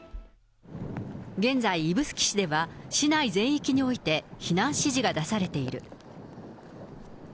現在、指宿市では市内全域において避難指示が出されている。